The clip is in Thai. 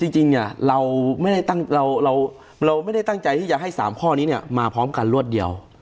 จริงเราไม่ได้ตั้งใจที่จะให้๓ข้อนี้มาพร้อมกันรวดเดียว